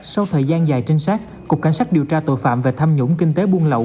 sau thời gian dài trinh sát cục cảnh sát điều tra tội phạm về tham nhũng kinh tế buôn lậu